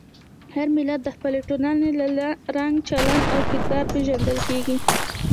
هر ملت د خپلې ټولنې له رنګ، چلند او کردار پېژندل کېږي.